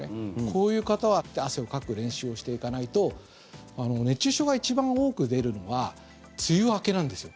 こういう方は汗をかく練習をしていかないと熱中症が一番多く出るのは梅雨明けなんですよ。